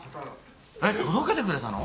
えっ？届けてくれたの？